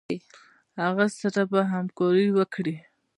هغه سره به همکاري وکړي.